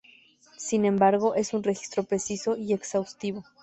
Sin embargo, es un registro preciso y exhaustivo.